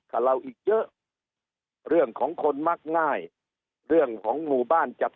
กับเราอีกเยอะเรื่องของคนมักง่ายเรื่องของหมู่บ้านจัด